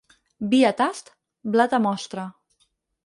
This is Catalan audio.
Vi a tast, blat a mostra.